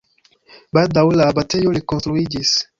Baldaŭe la abatejo rekonstruiĝis.